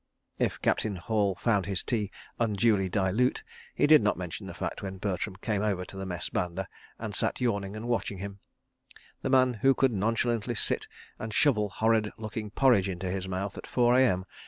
... If Captain Hall found his tea unduly dilute he did not mention the fact when Bertram came over to the Mess banda, and sat yawning and watching him—the man who could nonchalantly sit and shovel horrid looking porridge into his mouth at four a.m.